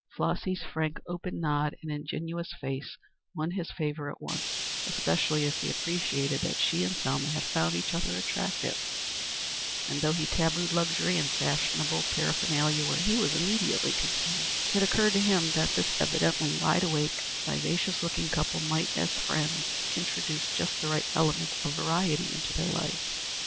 Flossy's frank, open nod and ingenuous face won his favor at once, especially as he appreciated that she and Selma had found each other attractive, and though he tabooed luxury and fashionable paraphernalia where he was immediately concerned, it occurred to him that this evidently wide awake, vivacious looking couple might, as friends, introduce just the right element of variety into their lives.